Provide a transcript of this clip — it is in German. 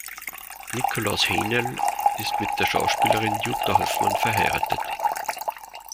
Nikolaus Haenel ist mit der Schauspielerin Jutta Hoffmann verheiratet.